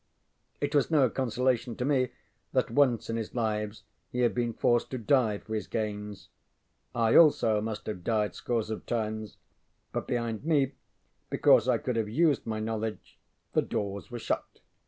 It was no consolation to me that once in his lives he had been forced to die for his gains. I also must have died scores of times, but behind me, because I could have used my knowledge, the doors were shut.